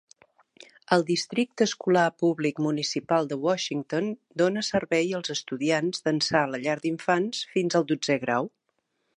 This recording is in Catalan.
El Districte Escolar Públic Municipal de Washington dona servei als estudiants d'ençà la llar d'infants fins al dotzè grau.